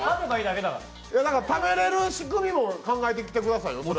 食べれる仕組みも考えてきてくださいよ。